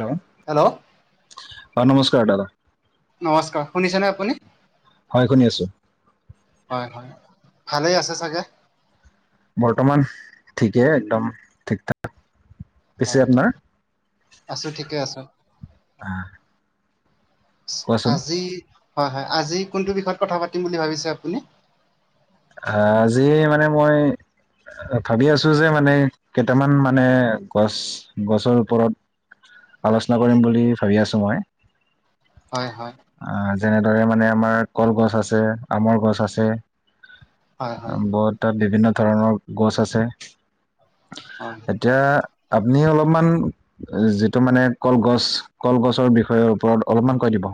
Hello [unintelligible] hello. অঁ নমস্কাৰ দাদা। নমস্কাৰ, শুনিছেনে আপুনি? হয় শুনি আছো। হয় হয় ভালেই আছে চাগে! বৰ্তমান ঠিকেই একদম ঠিক থাক। হয় হয়, আছো ঠিকে আছো। কোৱাচোন আজি, হয় হয়, আজি কোনটো বিষয়ত কথা পাতিম বুলি ভাবিছে আপুনি? অ আজি মানে মই - ভাবি আছো যে মানে কেইটামান মানে গছ গছৰ ওপৰত - [unintelligible] আলোচনা কৰিম বুলি ভাবি আছোঁ মই। হয় হয়। অ যেনেদৰে মানে আমাৰ কলগছ আছে, আমৰ গছ আছে, হয় হয় ব তাত বিভিন্ন ধৰণৰ গছ আছে, হয় এতিয়া - আপুনি অলপমান - যিটো মানে কলগছ কলগছৰ বিষয়ৰ ওপৰত অলপমান কৈ দিব।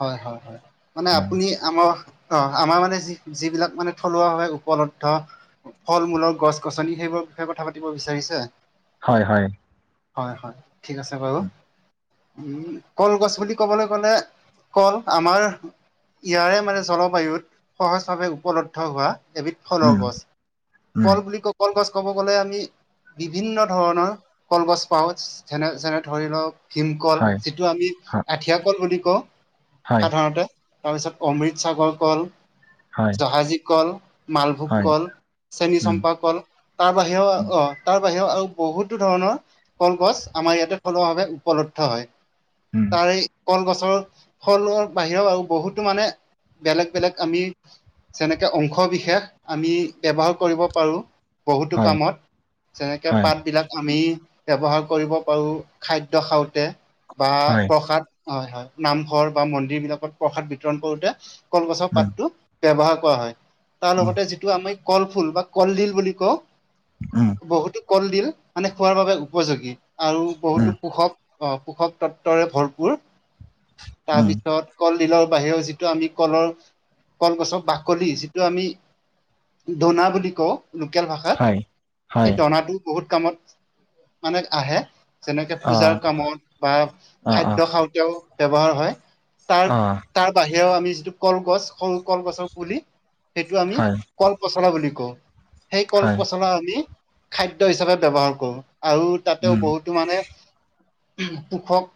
হয় হয় হয় মানে উম, আপুনি আম- অ আমাৰ মানে যি যিবিলাক মানে থলুৱাভাৱে উপলব্ধ - ফল মূলৰ গছ গছনি সেইবোৰৰ বিষয়ে কথা পাতিব বিচাৰিছে? হয় হয়। হয় হয়, ঠিক আছে বাৰু, উম, উম কলগছ বুলি ক'বলৈ গ'লে - কল আমাৰ ইয়াৰে মানে জলবায়ুত সহজভাৱে উপলব্ধ হোৱা - এবিধ ফলৰ উম, গছ, উম, কল বুলি ক কলগছ কব গ'লে আমি - বিভিন্ন ধৰণৰ কলগছ পাওঁ, যেনে যেনে ধৰি লওক - ভীমকল হয় যিটো আমি হয় আঠিয়া কল বুলি কওঁ। সাধাৰণতে তাৰপিছত অমৃতসাগৰ কল, জহাজী কল - মালভোগ কল, চেনী চম্পা কল - তাৰ বাহিৰেও অ তাৰ বাহিৰেও আৰু বহুতো ধৰণৰ - কলগছ আমাৰ ইয়াতে থলুৱাভাৱে উপলব্ধ হয়, তাৰে কলগছৰ - ফলৰ বাহিৰেও আৰু বহুতো মানে বেলেগ বেলেগ আমি - যেনেকে অংশ বিশেষ আমি ব্যৱহাৰ কৰিব পাৰো। বহুতো কামত, যেনেকে পাত বিলাক আমি - ব্যৱহাৰ কৰিব পাৰোঁ খাদ্য খাওঁতে বা প্ৰসাদ হয় হয় নামঘৰ - বা মন্দিৰ বিলাকত প্ৰসাদ বিতৰণ কৰোতে কলগছৰ পাতটো ব্যৱহাৰ কৰা হয়। তাৰ লগতে যিটো আমি কল ফুল বা কলডিল বুলি কওঁ - উম। বহুতো কলডিল মানে খোৱাৰ বাবে উপযোগী আৰু বহুতো পোষক - অ পোষক তত্বৰে ভৰপুৰ তাৰপিছত কল - দিলৰ বাহিৰেও যিটো আমি কলৰ কলগছৰ বাকলি যিটো আমি - দনা বুলি কওঁ - লোকেল ভাষাত সেই দনাটো বহুত কামত মানে আহে - যেনেকে পূজাৰ কামত বা খাদ্য খাওঁতেও ব্যৱহাৰ হয় - তাৰ তাৰ বাহিৰেও আমি যিটো কলগছ সৰু কলগছৰ পুলি সেইটো আমি কল - কল পচলা বুলি কওঁ, সেই কল পচলা আমি খাদ্য হিচাপে ব্যৱহাৰ কৰো আৰু- তাতেও বহুতো মানে পোষক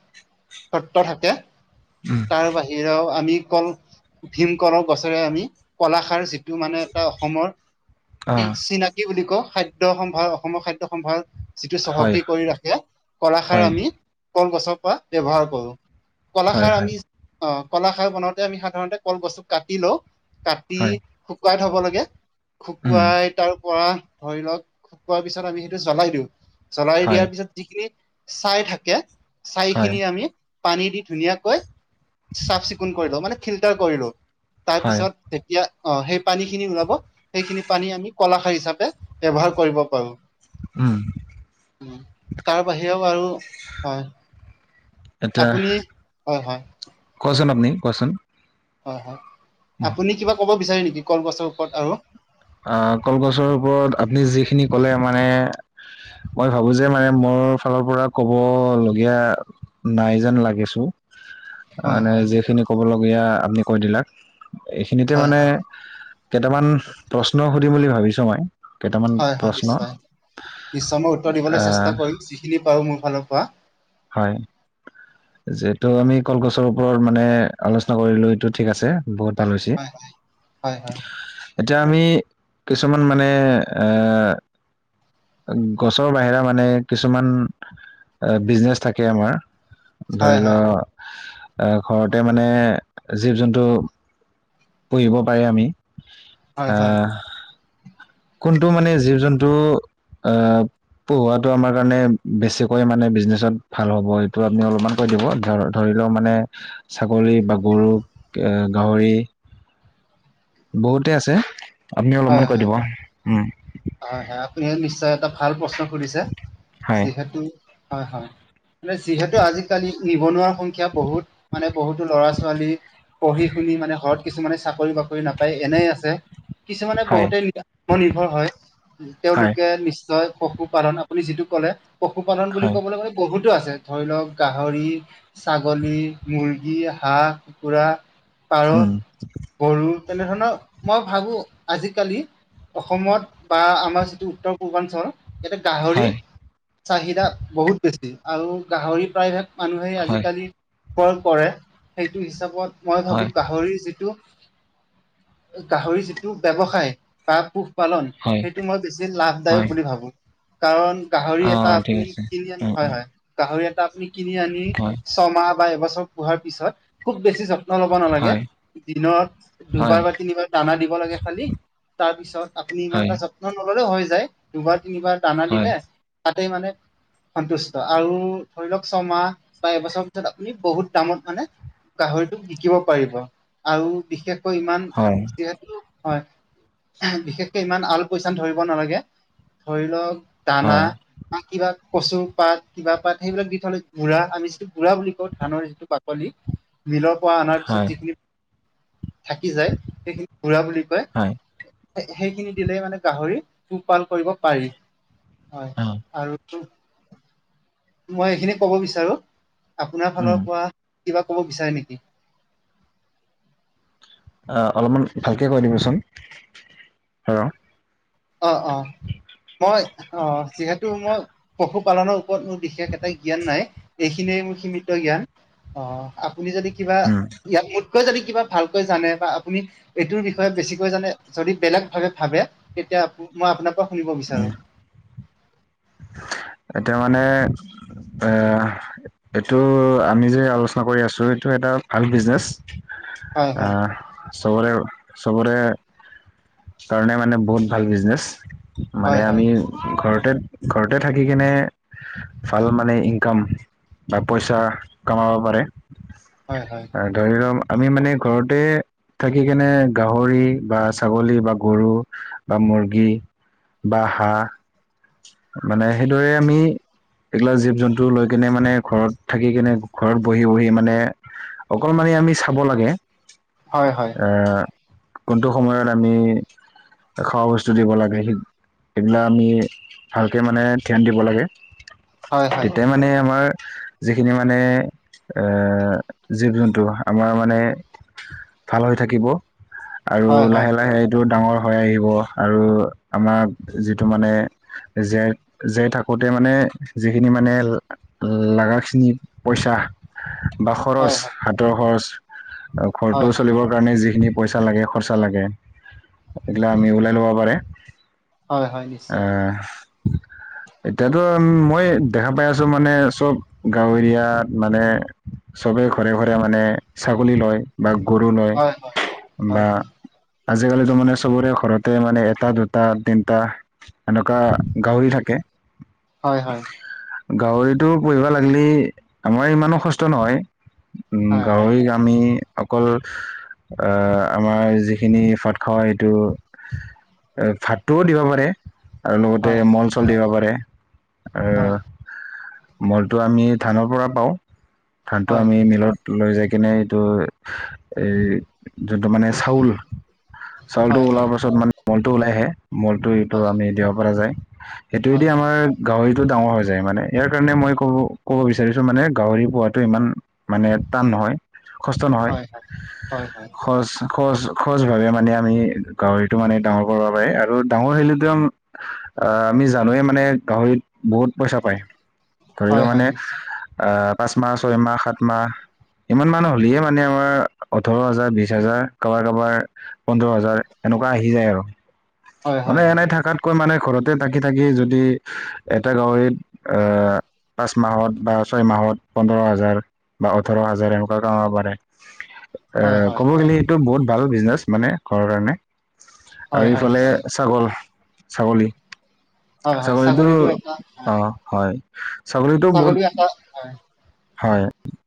তত্ত্ব থাকে। উম। তাৰ বাহিৰেও আমি কল ভীমকলৰ গছেৰে আমি কলাখাৰ যি - ইটো মানে এটা অসমৰ চিনা কি বুলি কও খাদ্য সম্ভাৰ অসমৰ খাদ্য সম্ভাৰ যিটো চহকী কৰি ৰাখে কলাখাৰ আমি কলগছৰ পৰা ব্যৱহাৰ কৰো কলাখাৰ আমি অ কলাখাৰ বনাওঁতে আমি সাধাৰণতে কল গছটো কাটি লওঁ কাটি শুকুৱাই থ'ব লাগে শুকুৱাই তাৰ পৰা ধৰি লওক শুকুৱাৰ পিছত আমি সেইটো জ্বলাই দিওঁ জ্বলাই দিয়াৰ পিছত যিখিনি ছাই থাকে ছাই খিনি আমি পানী দি ধুনীয়াকৈ চাফ চিকুণ কৰি লও মানে ফিল্টাৰ কৰিলো তাৰ পিছত যেতিয়া আহ সেই পানী খিনি ওলাব সেইখিনি পানী আমি কলাখাৰ হিচাপে ব্যৱহাৰ কৰিব পাৰো উম তাৰ বাহিৰেও আৰু হয় এতিয়া আপুনি হয় হয় কোৱাচোন আপুনি কোৱাচোন হয় হয় উম, আপুনি কিবা ক'ব বিচাৰে নেকি কল গছৰ ওপৰত আৰু আহ কলগছৰ ওপৰত আপুনি যিখিনি কলে মানে মই ভাবো যে মানে মোৰ ফালৰ পৰা কব লগীয়া নাই যেন লাগিছো হয় মানে হয় যিখিনি কবলগীয়া আপনি কৈ দিলাক এইখিনিতে হয় মানে হয় কেইটামান প্ৰশ্ন সুধিম বুলি ভাবিছো মই কেইটামান হয় হয় প্ৰশ্ন নিশ্চয় আহ যি খিনি পাওঁ মোৰ ফালৰ পৰা হয় যিহেতু আমি কলগছৰ ওপৰত মানে আলোচনা কৰিলো এইটো ঠিক আছে বহুত ভাল হৈছে হয় হয় হয় এতিয়া আমি কিছুমান মানে গছৰ বাহিৰা মানে কিছুমান বিজনেচ থাকে আমাৰ হয় হয় ধৰি হয় লও আহ ঘৰতে মানে জীৱ জন্তু পুহিব পাৰি আমি হয় আ কোনটো মানে জীৱ জন্তু আহ পোহোৱা আমাৰ কাৰণে বেছিকৈ মানে বিজনেচত ভাল হ'ব এইটো আপুনি অলপমান কৈ দিব ধৰ ধৰি লওক মানে ছাগলী বা গৰু গাহৰি বহুতে আছে আপুনি হয় অলপমান হয় কৈ দিব উম হয় হয় আপুনি নিশ্চয় এটা ভাল প্ৰশ্ন সুধিছে হয় যিহেতু হয় হয় মানে যিহেতু আজিকালি নিবনুৱাৰ সংখ্যা বহুত মানে বহুতো ল'ৰা ছোৱালী পঢ়ি শুনি মানে ঘৰত কিছুমানে চাকৰি বাক কৰি নাপায় এনেই আছে কিছুমানে হয় বহুতে আত্মনিৰ্ভৰ হয় হয় তেওঁলোকে নিশ্চয় পশুপালন আপুনি যিটো কলে পশুপালন বুলি হয় ক'বলৈ গলে বহুতো আছে ধৰি লওক গাহৰি, ছাগলী, মুৰ্গী, হাঁহ কুকুৰা পাৰ, উম গৰু তেনেধৰণৰ মই ভাবোঁ আজিকালি অসমত বা আমাৰ যিটো উত্তৰ পূৰ্বাঞ্চল ইয়াতে গাহৰি হয় চাহিদা বহুত বেছি আৰু গাহৰি প্ৰায়ভাগ মানুহে হয় আজিকালি ক্ৰয় কৰে সেইটো হিচাপত মই ভাবো হয় গাহৰি যিটো গাহৰি যিটো ব্যৱসায় বা পোহ পালন হয় সেইটো মই বেছি লাভদায়ক হয় বুলি ভাবো কাৰণ গাহৰি অ এটা ঠিক আপুনি আছে কিনি আনি উম হয় উম হয় গাহৰি এটা আপুনি কিনি আনি হয় ছমাহ বা এবছৰ পোহোৱাৰ পিছত খুব বেছি চ নল'ব নালাগে হয় দিনত হয় দুবাৰ বা তিনিবাৰ দানা দিব লাগে খালি তাৰ পিছত আপুনি ইমান হয় এটা যত্ন নললে হৈ যায় দুবাৰ তিনিবাৰ দানা হয় দিলে তাতে মানে সন্তুষ্ট আৰু ধৰি লওক ছমাহ বা এবছৰ পিছত আপুনি বহুত দামত মানে গাহৰিটোক বিকিব পাৰিব আৰু বিশেষ ইমান হয় যিহেতু হয় বিশেষকে ইমান আৰু এল পইচান ধৰিব নালাগে ধৰি লওক দানা হয় কিবা কচু পাত কিবা পাত সেইবিলাক দি থলে বুড়া আমি যিটো বুঢ়া বুলি কওঁ ধানৰ যিটো পাত কলি মিলৰ পৰা অনাৰ পিছত হয় যিখিনি থাকি যায় সেইখিনি ঘুৰা বুলি কয় হয় সেইখিনি দিলেই মানে গাহৰি পোহপাল কৰিব পাৰি হয় আৰু মই এইখিনি ক'ব বিচাৰো আপোনাৰ উম ফালৰ পৰা কিবা ক'ব বিচাৰে নেকি অ অলপমান ভালকে কৈ দিবচোন ৰ অ অ মই অ যিহেতু মই পশুপালনৰ মোৰ বিশেষ এটা জ্ঞান নাই এইখিনিয়ে মোৰ সীমিত জ্ঞান অ আপুনি যদি কিবা উম ইয়াত মোৰ ইয়াতকৈ যদি কিবা ভালকৈ জানে বা আপুনি এইটোৰ বিষয়ে বেছিকৈ জানে যদি বেলেগ ভাৱে ভাবে এতিয়া মই আপোনাৰ পৰা শুনিব উম বিচাৰো এতিয়া মানে এ এইটো আমি যে আলোচনা কৰি আছো এইটো এটা ভাল বিজনেচ হয়, হয়, আহ চবৰে চবৰে কাৰণে মানে বহুত ভাল বিজনেচ মানে হয়, হয়, আমি ঘৰতে ঘৰতে থাকি কেনে ভাল মানে ইনকাম বা পইচা কমাব পাৰে হয় হয় ধৰি লওক আমি মানে ঘৰতে থাকি কেনে গাহৰি বা ছাগলী বা গৰু বা মুৰ্গী বা হাহ‍ঁ মানে সেইদৰে আমি এইগিলা জীৱ জন্তু লৈ কেনে মানে ঘৰত থাকি কেনে ঘৰত বহি বহি মানে অকল মানে আমি চাব লাগে হয় হয় কোনটো সময়ত আমি খোৱা বস্তু দিব লাগে সেই সেইগিলাক আমি ভালকে মানে ধ্যান দিব লাগে হয়, হয়, তেতিয়াহে মানে আমাৰ যিখিনি মানে জীৱ জন্তু আমাৰ মানে ভাল হৈ থাকিব আৰু হয়, হয়, হয়, লাহে হয়। লাহে এইটো ডাঙৰ হৈ আহিব আৰু আমাক যিটো মানে জীয়াই জীয়াই থাকোঁতে মানে যিখিনি মানে লাগা খিনি পইচা বা খৰচ হয়, হাতৰ খৰচ ঘৰটো হয়, চলিবৰ কাৰণে যিখিনি পইচা লাগে খৰচা লাগে এইগিলা আমি ওলাই ল'ব পাৰে হয় হয় নিশ্চয় আহ এতিয়াতো মই দেখা পাই আছো মানে চব গাঁও এৰিয়াত মানে চবে ঘৰে ঘৰে মানে ছাগলী লয় বা গৰু লয় হয়, হয়, হয়, বা আজি কালিতো মানে চবৰে ঘৰতে মানে এটা দুটা তিনটা এনেকোৱা গাহৰী থাকে হয় হয় গাহৰিতো পুহিবা লাগিলে আমাৰ ইমানো কষ্ট নহয় হয়, হয়, হয়, গাহৰিক আামি অকল আ আমাৰ যিখিনি ভাত খোৱা সেইটো এ ভাতটোও দিব পাৰে আৰু লগতে হয়, মল চল দিব পাৰে অহ হয়, মলটো আমি ধানৰ পৰা পাও ধানটো হয়, আমি মিলত লৈ যাই কিনে এইটো এই যোনটো মানে চাউল চাউলটো হয়, ওলোৱাৰ হয়, পাছত মানে মলটো ওলাই আহে মলটো এইটো হয়। আমি দিব পৰা যায় সেইটো হয় এতিয়া আমাৰ গাহৰিটো ডাঙৰ হৈ যায় মানে ইয়াৰ কাৰণে মই ক'ব ক'ব বিচাৰিছো মানে গাহৰি পোহাটো ইমান মানে টান নহয় কষ্ট নহয় হয় হয় হয় হয় খৰচ সজ সহজ ভাৱে মানে আমি গাহৰিটো মানে ডাঙৰ কৰিব পাৰি আৰু ডাঙৰ হিলেতোম অ আমি জানোয়ে মানে গাহৰিত বহুত পইচা পায় ধৰি হয় হয় লওক হয় মানে নিশ্চয় আ পাঁচ মাহ ছয় মাহ সাত মাহ ইমান মানুহ হ'লহে মানে আমাৰ ওঠৰ হাজাৰ বিশ হাজাৰ কাবাৰ কাবাৰ পোন্ধৰ হাজাৰ এনেকোৱা আহি যায় আৰু হয় হয় মানে হয় এনে থাকাত কৈ মানে ঘৰতে থাকি থাকি যদি এটা গাহৰিত আহ পাঁচ মাহত বা ছয় মাহত পোন্ধৰ হাজাৰ বা ওঠৰ হাজাৰ এনেকোৱা কামাব পাৰে। [unintelligible] এ ক'ব গ'লে এইটো বহুত ভাল বিজনেচ মানে ঘৰৰ কাৰণে। হয় হয় ফালে নিশ্চয় ছাগল ছাগলী, হয় হয় ছাগলীতো ছাগলীটো এটা হয়। অ'। হয় ছাগলীতো বহুত ছাগলী এটা হয় হয়,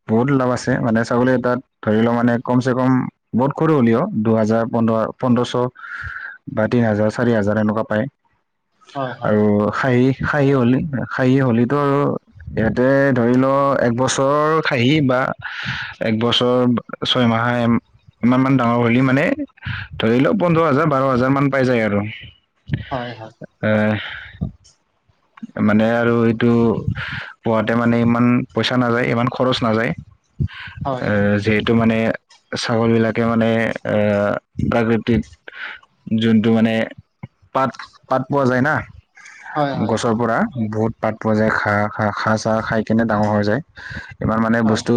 বহুত লাভ আছে মানে ছাগলী এটাত ধৰি লও মানে কম চে কম বহুত সৰু হ'লিও দুহাজাৰ পোন্ধৰ পোন্ধৰশ বা তিন হাজাৰ চাৰি হাজাৰ এনেকোৱা পায়, হয় হয় আৰু হাৰি খাঁহি হ'লি খাঁহি হ'লিটো আৰু ইহঁতে ধৰি ল এক বছৰ খাহী বা একবছৰ ছয়মাহে ইমান মান ডাঙৰ হ'লি মানে, ধৰি লওঁক পোন্ধৰ হাজাৰ বাৰ হাজাৰ মান পাই যায় আৰু। হয় হয়। এ মানে আৰু এইটো পোৱাতে মানে ইমান পইচা নাযায় ইমান খৰচ নাযায় হয় এ যি টো মানে ছাগলবিলাকে মানে অ' প্ৰাকৃতিক যোনটো মানে, পাত পাত পোৱা যায় না, হয় হয় হয় গছৰ পৰা বহুত পাত পোৱা যায় ঘাঁ খাহ চাহ খাই কেনে ডাঙৰ হৈ যায়, ইমান মানে হয় বস্তু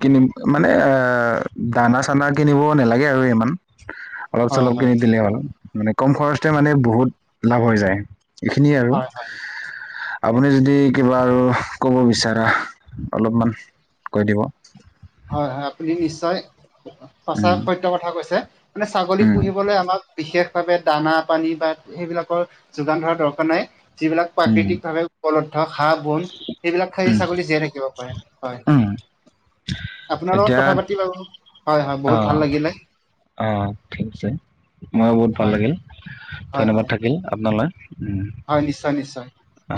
কিনিম মানে এ দানা চানা কিনিব নালাগে আৰু ইমান। অলপ হয় চলপ কিনি হয় দিলে হ'ল মানে কম খৰচতে মানে বহুত লাভ হৈ যায়। এইখিনিয়ে আৰু, হয় হয় আপুনি যদি কিবা আৰু ক'ব বিচাৰা অলপমান কই দিব। হয় হয় আপুনি নিশ্চয় সঁচা উম সত্যৰ কথা কৈছে। মানে ছাগলী উম পুহিবলে আমাক বিশেষ ভাৱে দানা পানী বা সেইবিলাকৰ যোগান ধৰা দৰকাৰ নাই। যিবিলাক উম প্ৰাকৃতিক ভাৱে উপলব্ধ ঘাঁহ বন সেইবিলাক খালী উম ছাগলী জীয়াই থাকিব পাৰে হয় উম আপোনাৰ লগত এতিয়া কথা পাতি বাও, হয় হয় বহুত ভাল লাগিলে। অ অ' ঠিক আছে ময়ো বহুত ভাল হয় লাগিল হয় ধন্যবাদ হয় থাকিল আপোনালে। [unintelligible] হয় নিশ্চয় নিশ্চয়।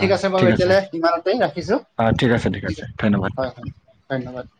ঠিক আছে বাৰু এতিয়ালে ইমানতে ৰাখিছো, অ ঠিক আছে ঠিক আছে ধন্যবাদ হয় হয়। ধন্যবাদ